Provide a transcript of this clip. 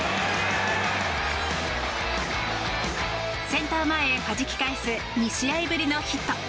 センター前へはじき返す２試合ぶりのヒット。